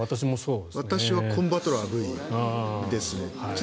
私は「コンバトラーＶ」です。